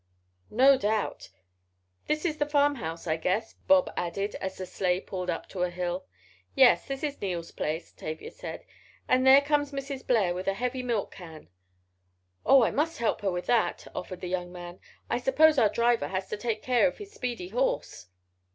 "No doubt. This is the farmhouse, I guess," Bob added, as the sleigh pulled up to a hill. "Yes, this is Neil's place," Tavia said. "And there comes Mrs. Blair with a heavy milk can." "Oh, I must help her with that," offered the young man. "I suppose our driver has to take care of his speedy horse."